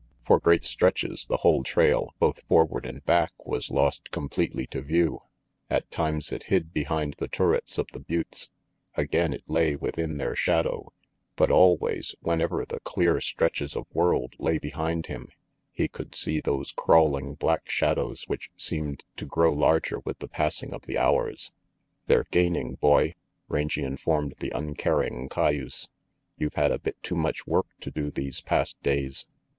For great stretches the whole trail, both forward and back, was lost completely to view; at tunes it hid behind the turrets of the buttes; again it lay within their shadow, but always, whenever the clear stretches of world lay behind him, he could see those crawling black shadows which seemed to grow larger with the passing of the hours. "They're gaining, boy!" Rangy informed the uncaring cayuse. "You've had a bit too much work to do these past days."